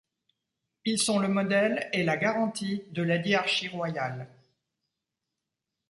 Ils sont le modèle et la garantie de la dyarchie royale.